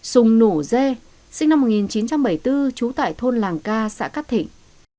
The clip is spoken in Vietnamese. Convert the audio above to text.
sùng nủ dê sinh năm một nghìn chín trăm bảy mươi bốn trú tại thôn làng ca xã cát thịnh